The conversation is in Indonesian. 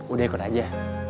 udah ikut aja